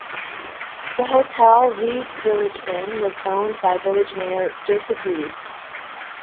The hotel, "Reid's Village Inn", was owned by village mayor Joseph Reid.